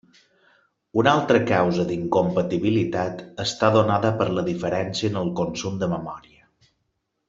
Una altra causa d'incompatibilitat està donada per la diferència en el consum de memòria.